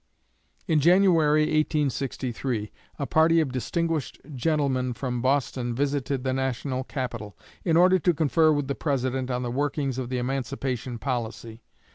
In January, 1863, a party of distinguished gentlemen from Boston visited the national capital, in order to confer with the President on the workings of the emancipation policy.